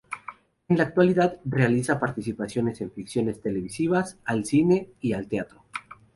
En la actualidad realiza participaciones en ficciones televisivas, al cine y al teatro.